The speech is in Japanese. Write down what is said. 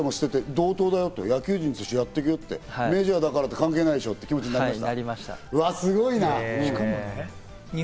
俺らも同等だよと、野球人としてやっていくよって、メジャーだから関係ないでしょって気持ちになりました？